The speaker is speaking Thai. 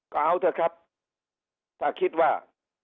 ก็เอาเถอะครับถ้าคิดว่า